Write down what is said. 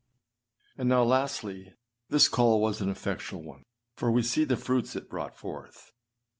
8. And now, lasdy, this call was an effectual one, for we see the fruits it brought forth.